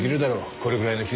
これぐらいの傷。